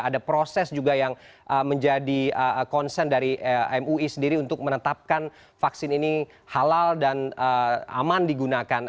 ada proses juga yang menjadi concern dari mui sendiri untuk menetapkan vaksin ini halal dan aman digunakan